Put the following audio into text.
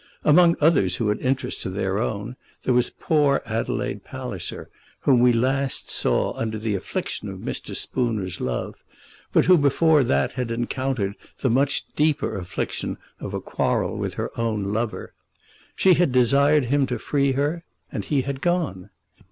Among others who had interests of their own there was poor Adelaide Palliser, whom we last saw under the affliction of Mr. Spooner's love, but who before that had encountered the much deeper affliction of a quarrel with her own lover. She had desired him to free her, and he had gone.